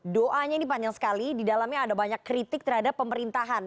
doanya ini panjang sekali di dalamnya ada banyak kritik terhadap pemerintahan